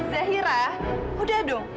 zaira udah dong